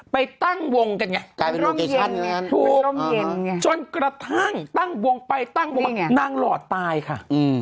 ไปตั้งวงกันไงจนกระทั่งตั้งวงไปตั้งวงไปนางหล่อตายค่ะ